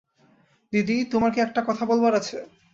দিদি, তোমার কী একটা কথা বলবার আছে।